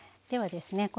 ではですね